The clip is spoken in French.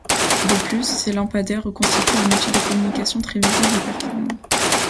De plus, ces lampadaires constituent un outil de communication très visible et performant.